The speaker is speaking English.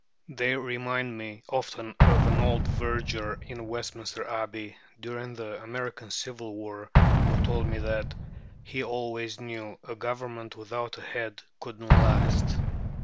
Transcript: They remind me often of an old verger in Westminster Abbey during the American civil war who told me that "he always knew a government without a head couldn't last."